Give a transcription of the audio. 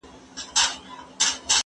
ما چي ول ډوډۍ به تر اوسه پخه وي